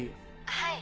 はい。